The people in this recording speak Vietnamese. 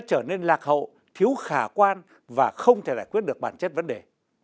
thiếu khả quan và không thể giải quyết được bản chất vấn đề